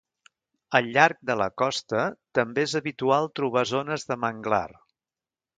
Al llarg de la costa també és habitual trobar zones de manglar.